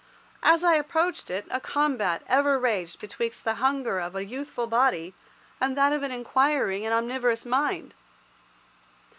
As I approached it a combat ever raged betwixt the hunger of a youthful body and that of an inquiring and omnivorous mind.